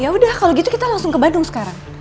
ya udah kalau gitu kita langsung ke bandung sekarang